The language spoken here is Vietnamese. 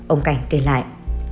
ông cảnh kê lại